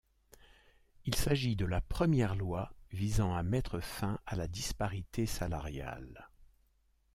Il s'agit de la première loi visant à mettre fin à la disparité salariale.